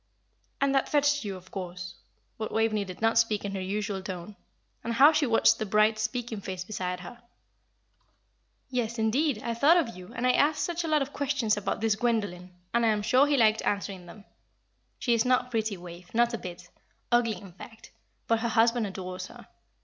'" "And that fetched you, of course?" But Waveney did not speak in her usual tone. And how she watched the bright, speaking face beside her. "Yes, indeed, I thought of you, and I asked such a lot of questions about this Gwendoline, and I am sure he liked answering them. She is not pretty, Wave, not a bit ugly, in fact; but her husband adores her.